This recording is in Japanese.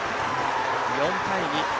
４対２。